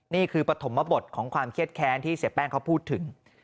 นี่คือปฐมบทของความเครียดแค้นที่เสียแป้งเขาพูดถึง